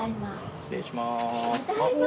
失礼します。